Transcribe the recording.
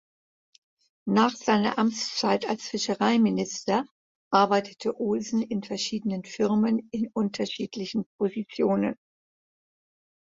Nach seiner Amtszeit als Fischereiminister arbeitete Olsen in verschiedenen Firmen in unterschiedlichen Positionen.